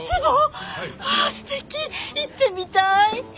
ああ素敵行ってみたい！